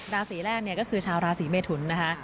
ราศีแรกก็คือชาวราศีเมฐุลนะคะ